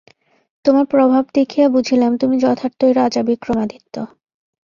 তোমার প্রভাব দেখিয়া বুঝিলাম তুমি যথার্থই রাজা বিক্রমাদিত্য।